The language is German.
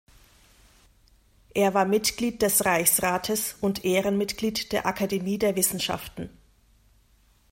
Er war Mitglied des Reichsrates und Ehrenmitglied der Akademie der Wissenschaften.